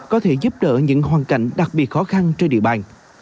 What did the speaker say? có thể giúp đỡ những hoàn cảnh đặc biệt khó khăn trên địa bàn